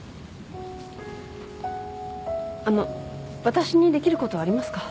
あの私にできることありますか？